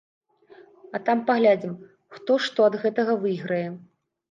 А там паглядзім, хто што ад гэтага выйграе.